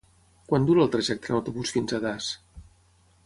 Quant dura el trajecte en autobús fins a Das?